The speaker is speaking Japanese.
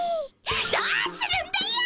どうするんだよ！